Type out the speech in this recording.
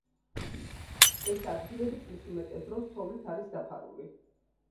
ეს ადგილები წლის უმეტეს დროს თოვლით არის დაფარული.